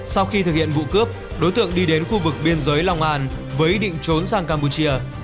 sau khi thực hiện vụ cướp đối tượng đi đến khu vực biên giới long an với ý định trốn sang campuchia